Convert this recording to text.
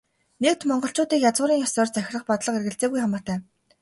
Нэгд, монголчуудыг язгуурын ёсоор захирах бодлого эргэлзээгүй хамаатай.